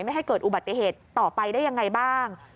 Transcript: ไม่ให้เกิดอุบัติเหตุต่อไปได้ยังไงบ้าง